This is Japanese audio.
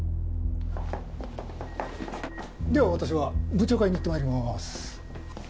では私は部長会に行ってまいります。